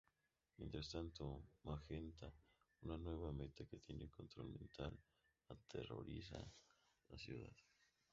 Mientras tanto, Magenta, una nueva meta que tiene control mental, aterroriza la ciudad.